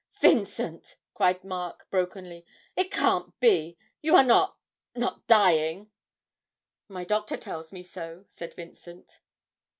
'Vincent!' cried Mark brokenly, 'it can't be; you are not not dying!' 'My doctor tells me so,' said Vincent.